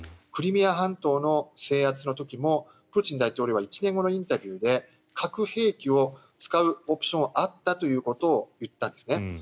クリミア半島の制圧の時もプーチン大統領は１年後のインタビューで核兵器を使うオプションはあったということを言ったんですね。